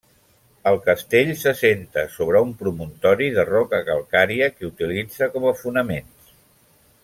El castell s'assenta sobre un promontori de roca calcària que utilitza com a fonaments.